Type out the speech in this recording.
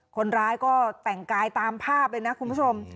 คนร้ายก็แต่งกายตามภาพเลยนะคุณผู้ชม